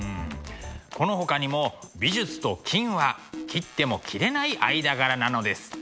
このほかにも美術と金は切っても切れない間柄なのです。